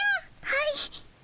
はい。